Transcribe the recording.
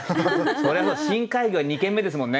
そりゃあ「深海魚」は２軒目ですもんね。